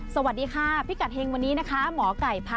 สวัสดีค่ะพิกัดเฮ็งวันนี้นะคะ